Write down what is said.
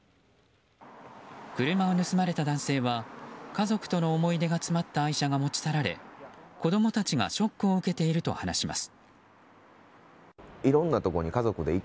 車を盗まれた男性は家族との思い出が詰まった愛車が持ち去られ、子供たちがショックを受けていると話します。